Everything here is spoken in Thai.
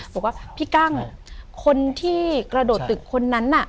บอกว่าพี่กั้งคนที่กระโดดตึกคนนั้นน่ะ